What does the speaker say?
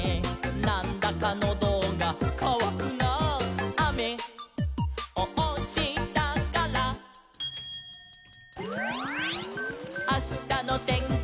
「『なんだかノドがかわくなあ』」「あめをおしたから」「あしたのてんきは」